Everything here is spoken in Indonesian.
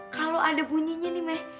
kalau ada bunyinya nih meh